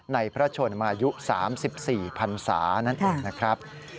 พระชนมายุ๓๔พันศานั่นเองนะครับ